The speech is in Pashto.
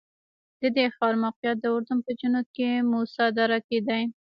د دې ښار موقعیت د اردن په جنوب کې موسی دره کې دی.